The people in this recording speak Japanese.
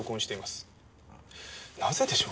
なぜでしょう？